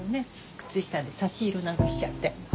靴下で差し色なんかしちゃって。